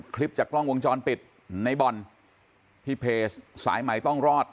คลิปจากกล้องวงจรปิดในบ่อนที่เพจสายใหม่ต้องรอด